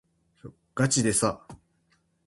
がちでさ